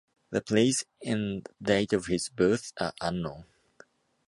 The place and date of his birth are unknown.